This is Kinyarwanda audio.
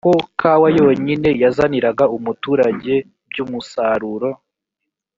ko kawa yonyine yazaniraga umuturage by umusaruro